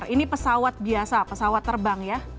ini pesawat biasa pesawat terbang ya